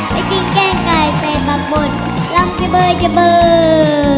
ไปกินแก้งไก่ใส่บักบดน้องเบอร์เบอร์